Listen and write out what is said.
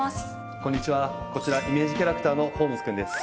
こんにちはこちらイメージキャラクターのホームズくんです